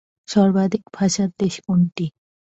সর্বাধিক ভাষার দেশ কোনটি?